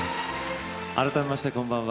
改めましてこんばんは。